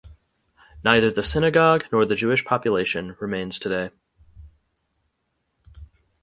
Neither the synagogue nor the Jewish population remains today.